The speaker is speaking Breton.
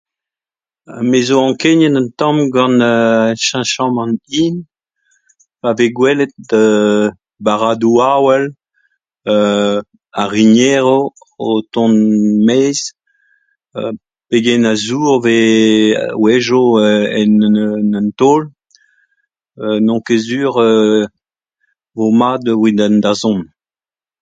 Me zo ankeniet un tamm gant [eeu] ar cheñchamant hin pa vez gwelet [eeu] barradoù avel [eeu] ar rinieroù o tont maez [eeu] pegen a zour 'vez a-wechoù en un taol [eu] n'on ket sur [eu] 'vo mat evit an dazont.